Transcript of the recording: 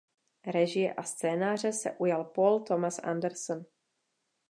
Režie a scénáře se ujal Paul Thomas Anderson.